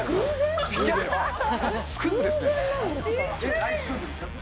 大スクープですか。